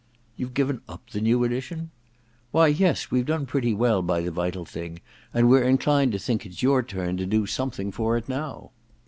* You've given up the new edition ?Why, yes — we've done pretty well by * The Vital Thing,' and we're inclined to think it's your turn to do something for it now.